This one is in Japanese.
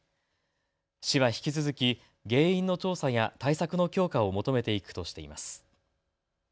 市は引き続き原因の調査や対策の強化を求めていくとしています。